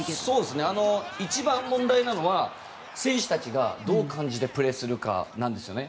一番問題なのは選手たちがどうプレーするかなんですよね。